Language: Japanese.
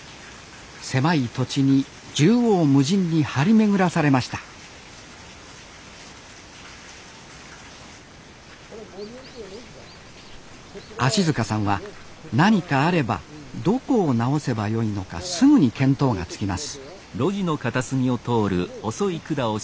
狭い土地に縦横無尽に張り巡らされました芦さんは何かあればどこを直せばよいのかすぐに見当がつきます